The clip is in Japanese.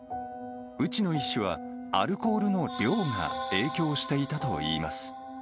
内野医師はアルコールの量が影響していたと言います。